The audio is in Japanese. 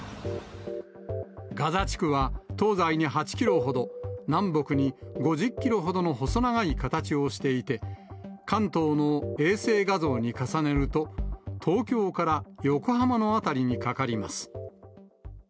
ガザ地区は東西に８キロほど、南北に５０キロほどの細長い形をしていて、関東の衛星画像に重ねると、東京から横浜の辺りにかかります。